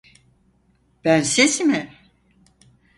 Bensiz mi?